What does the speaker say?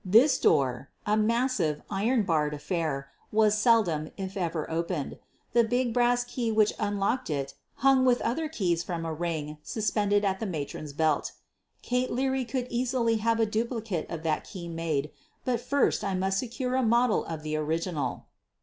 This door — a massive, iron barred affair — was seldom if ever opened. The big brass key which unlocked it hung with other keys from a ring sus pended at the matron's belt. QUEEN OF THE BURGLARS 73 Kate Leary could easily have a duplicate of that key made, but first I must secure a model of the original.